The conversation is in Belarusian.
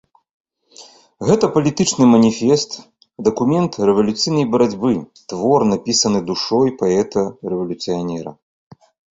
Гэта палітычны маніфест, дакумент рэвалюцыйнай барацьбы, твор, напісаны душой паэта-рэвалюцыянера.